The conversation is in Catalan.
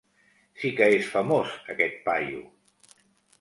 Si que és famós, aquest paio!